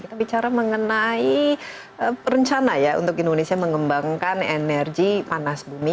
kita bicara mengenai rencana ya untuk indonesia mengembangkan energi panas bumi